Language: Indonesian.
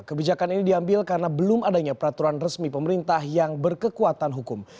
kebijakan ini diambil karena belum adanya peraturan resmi pemerintah yang berkekuatan hukum